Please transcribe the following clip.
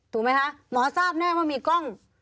ถูกไหมคะหมอทราบแน่ว่ามีกล้อง